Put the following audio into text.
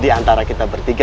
diantara kita bertiga ya